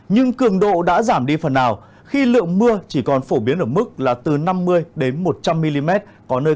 nhưng cường độ đã giảm đi phần nào khi lượng mưa chỉ còn phổ biến ở mức là từ năm mươi đến một trăm linh mm